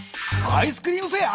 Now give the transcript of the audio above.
アイスクリーム・フェア？